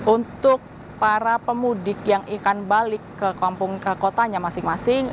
untuk para pemudik yang akan balik ke kampung ke kotanya masing masing